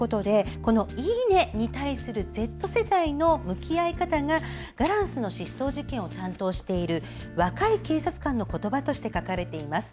「いいね！」に対するＺ世代の向き合い方がガランスの失踪事件を担当している若い警察官の言葉として書かれています。